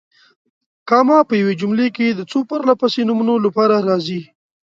کامه په یوې جملې کې د څو پرله پسې نومونو لپاره راځي.